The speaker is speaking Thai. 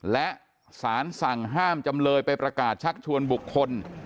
และสารสั่งห้ามจำเลยไปประกาศชักชวนบุคคล